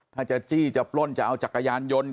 ถ้าจะจี้จะปล้นจะเอาจักรยานยนต์